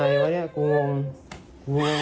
หัวฟาดพื้น